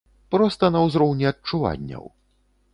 Проста на ўзроўні адчуванняў.